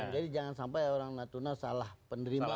jadi jangan sampai orang natuna salah penderimaan